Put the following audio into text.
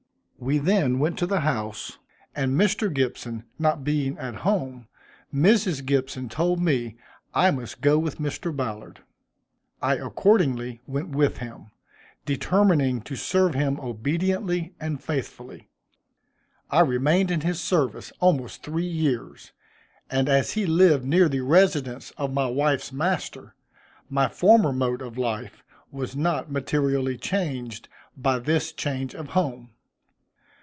We then went to the house, and Mr. Gibson not being at home, Mrs. Gibson told me I must go with Mr. Ballard. I accordingly went with him, determining to serve him obediently and faithfully. I remained in his service almost three years, and as he lived near the residence of my wife's master, my former mode of life was not materially changed, by this change of home.